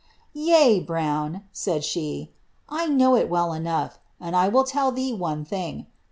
" Yea, Brown," said she, " I know it well enough ; and 1 wdl tell ihee one thing.